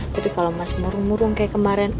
tapi kalau masih murung murung kayak kemarin